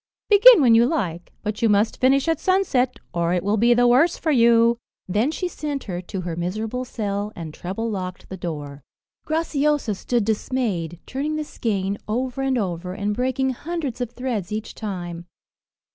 Begin when you like, but you must finish at sunset, or it will be the worse for you." Then she sent her to her miserable cell, and treble locked the door. Graciosa stood dismayed, turning the skein over and over, and breaking hundreds of threads each time.